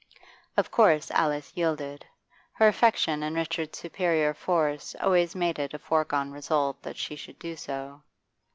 Of course Alice yielded; her affection and Richard's superior force always made it a foregone result that she should do so.